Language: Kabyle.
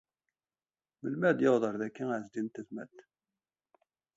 Ayweq i ilaq ad d-yaweḍ ar daki Ɛezdin n Tezmalt?